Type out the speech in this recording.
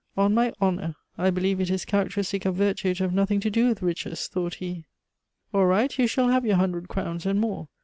"On my honor, I believe it is characteristic of virtue to have nothing to do with riches!" thought he. "All right, you shall have your hundred crowns, and more.